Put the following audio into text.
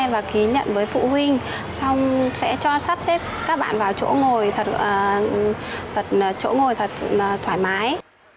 và ký nhận với phụ huynh xong sẽ cho sắp xếp các bạn vào chỗ ngồi thật thoải mái